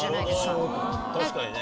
確かにね。